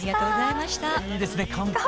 いいですね乾杯。